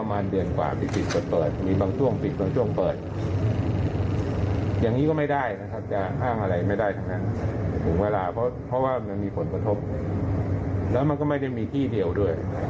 มันมีผลประทบและมันก็ไม่ได้มีที่เดียวด้วย